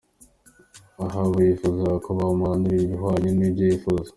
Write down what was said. Ahabu yifuzaga ko bamuhanurira ibihwanye n’ibyo yifuza.